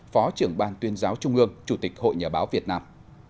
phó trưởng ban tuyên giáo trung ương chủ tịch hội nhà báo việt nam